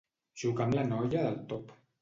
Xocar amb la noia del top.